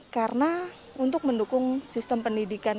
karena untuk mendukung sistem pendidikan